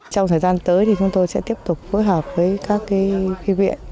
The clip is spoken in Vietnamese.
trong thời gian tới thì chúng tôi sẽ tiếp tục phối hợp với các thư viện